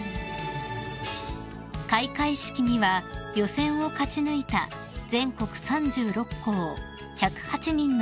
［開会式には予選を勝ち抜いた全国３６校１０８人の選手が参加］